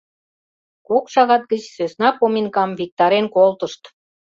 Кок шагат гыч сӧсна поминкам виктарен колтышт.